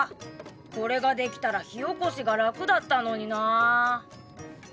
これができたら火おこしが楽だったのになあ！